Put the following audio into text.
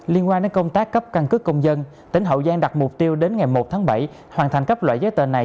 liên quan đến công tác cấp căn cước công dân tỉnh hậu giang đặt mục tiêu đến ngày một tháng bảy hoàn thành cấp loại giấy tờ này